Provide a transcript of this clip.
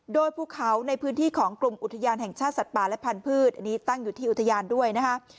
โดยภูเขาในพื้นที่ของกลุ่มอุทยานแห่งชาติสัตว์ป่าและพันธุ์อันนี้ตั้งอยู่ที่อุทยานด้วยนะคะ